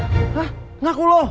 hah ngaku lu